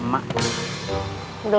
dulu ma kayak si neng ya